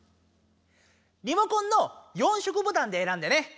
リモコンの４色ボタンでえらんでね。